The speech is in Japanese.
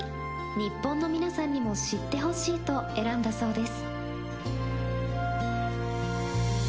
「日本の皆さんにも知ってほしい」と選んだそうです。